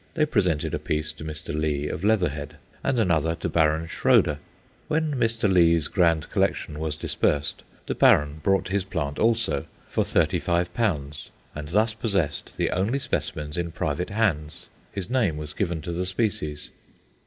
They presented a piece to Mr. Lee of Leatherhead, and another to Baron Schroeder; when Mr. Lee's grand collection was dispersed, the Baron bought his plant also, for £35, and thus possessed the only specimens in private hands. His name was given to the species.